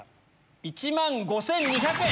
１万５２００円。